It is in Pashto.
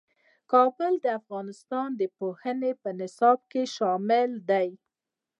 کابل د افغانستان د پوهنې نصاب کې شامل دي.